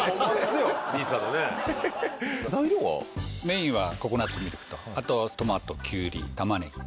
メインはココナツミルクとあとトマトキュウリたまねぎ。